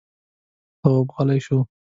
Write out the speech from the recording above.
تواب غلی شو.